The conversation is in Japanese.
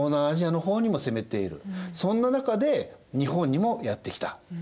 そんな中で日本にもやって来た。